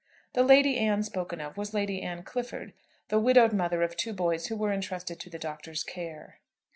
The Lady Anne spoken of was Lady Anne Clifford, the widowed mother of two boys who were intrusted to the Doctor's care.